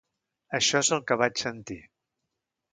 Això és el que vaig sentir.